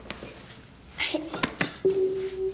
はい。